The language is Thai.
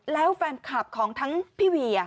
แล้วแฟนคลับของทั้งพี่เวีย